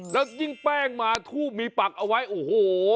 แล้วยิ่งแป้งมาทูบมีปักเอาไว้โอ้โห